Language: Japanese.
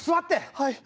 はい。